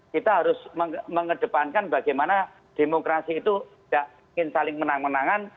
kita harus mengedepankan bagaimana demokrasi itu tidak ingin saling menang menangan